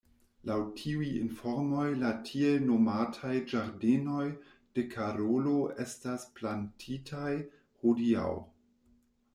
Laŭ tiuj informoj la tiel nomataj ĝardenoj de Karolo estas plantitaj hodiaŭ.